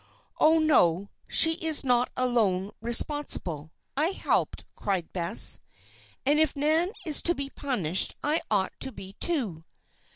"Oh, no, she is not alone responsible. I helped," cried Bess, "and if Nan is to be punished, I ought to be, too."